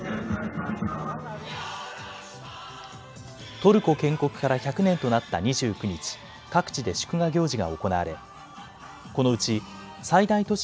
トルコ建国から１００年となった２９日、各地で祝賀行事が行われこのうち最大都市